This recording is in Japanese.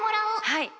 はい。